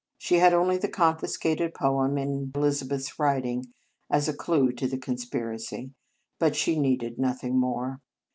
She had only the confiscated poem in Elizabeth s writing as a clue to the conspiracy, but she needed no thing more.